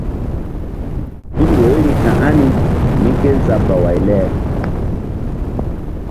Tul woiri ka̧h ani mí ké zabaway le?